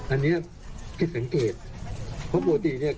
อันนี้ผิดสังเกตเพราะปกติเนี่ย